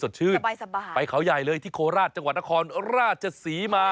สบายไปเขาใหญ่เลยที่โคราชจังหวัดนครราชศรีมา